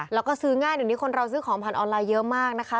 แล้วก็ซื้อง่ายเดี๋ยวนี้คนเราซื้อของผ่านออนไลน์เยอะมากนะคะ